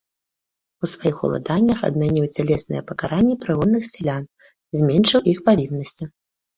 У сваіх уладаннях адмяніў цялесныя пакаранні прыгонных сялян, зменшыў іх павіннасці.